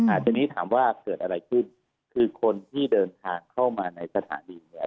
ทีนี้ถามว่าเกิดอะไรขึ้นคือคนที่เดินทางเข้ามาในสถานีเนี่ย